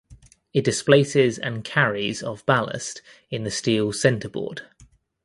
It displaces and carries of ballast in the steel centreboard.